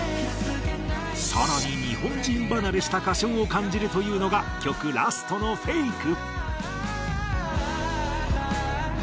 更に日本人離れした歌唱を感じるというのが曲ラストのフェイク。